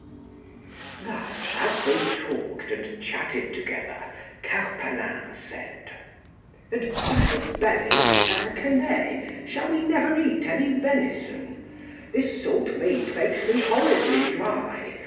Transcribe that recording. Thus as they talked and chatted together, Carpalin said, And, by the belly of St. Quenet, shall we never eat any venison? This salt meat makes me horribly dry.